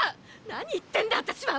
何言ってんだ私は！